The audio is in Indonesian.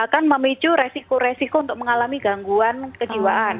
akan memicu resiko resiko untuk mengalami gangguan kejiwaan